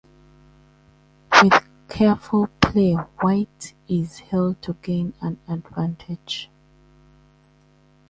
With careful play White is held to gain an advantage.